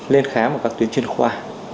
lên khám ở các tuyến chuyên khoa